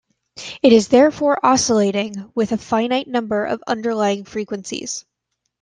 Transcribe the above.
It is therefore oscillating, with a finite number of underlying frequencies.